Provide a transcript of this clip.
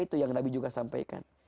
itu yang nabi juga sampaikan